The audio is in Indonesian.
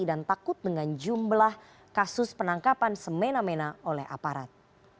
dan takut dengan jumlah kasus penangkapan semena mena oleh aparat